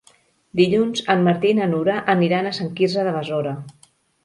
Dilluns en Martí i na Nura aniran a Sant Quirze de Besora.